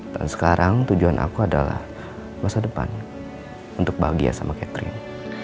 dan sekarang tujuan aku adalah masa depan untuk bahagia sama catherine